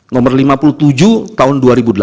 nomor lima puluh tujuh tahun dua ribu delapan